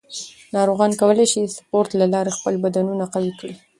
ناروغان کولی شي د سپورت له لارې خپل بندونه قوي کړي.